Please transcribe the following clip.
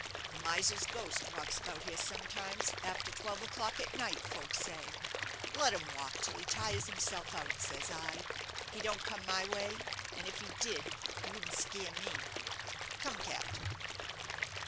The miser's ghost walks about here sometimes, after twelve o'clock at night, folks say. 'Let him walk till he tires himself out,' says I. 'He don't come my way; and if he did he wouldn't scare me.' Come, captain."